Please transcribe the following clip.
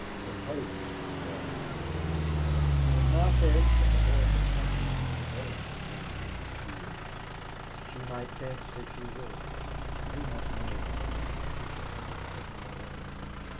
Her pose was lost on Ralph. It was not this but the voice of twenty minutes ago that rang in his ears. She might fence if she would. He must know she should not put him away.